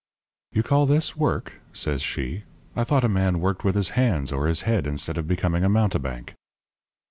"'You call this work?' says she. 'I thought a man worked with his hands or his head instead of becoming a mountebank.'